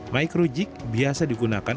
micro jig biasa digunakan